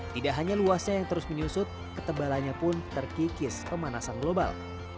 tidak hanya luasnya yang terus menyusut ketebalannya pun terkikis pemanasan global